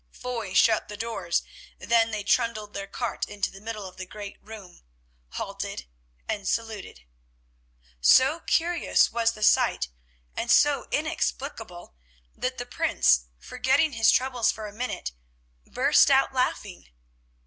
Foy shut the doors, then they trundled their cart into the middle of the great room, halted and saluted. So curious was the sight, and so inexplicable, that the Prince, forgetting his troubles for a minute, burst out laughing.